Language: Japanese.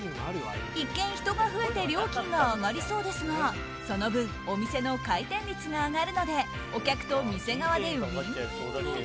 一見、人が増えて料金が上がりそうですがその分お店の回転率が上がるのでお客と店側でウィンウィンに。